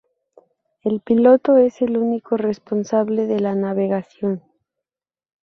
El piloto es el único responsable de la navegación.